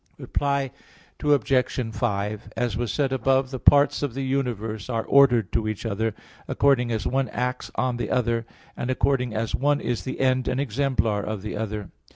Reply Obj. 5: As was said above, the parts of the universe are ordered to each other, according as one acts on the other, and according as one is the end and exemplar of the other.